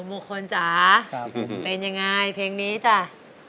คุณหมุคคลจ๋าเป็นยังไงเพลงนี้จ๋า